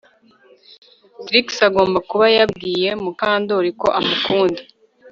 Trix agomba kuba yabwiye Mukandoli ko amukunda